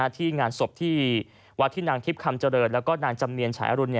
ที่งานศพที่วัดที่นางทิพย์คำเจริญแล้วก็นางจำเนียนฉายอรุณ